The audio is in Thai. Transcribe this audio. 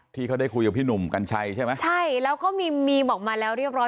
ที่เขาได้คุยกับพี่หนุ่มกัญชัยใช่ไหมใช่แล้วก็มีมีบอกมาแล้วเรียบร้อย